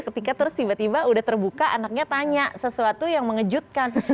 ketika terus tiba tiba udah terbuka anaknya tanya sesuatu yang mengejutkan